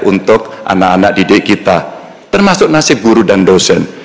untuk anak anak didik kita termasuk nasib guru dan dosen